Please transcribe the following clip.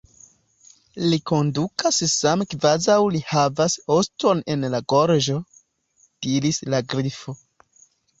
"Li kondutas same kvazaŭ li havas oston en la gorĝo," diris la Grifo.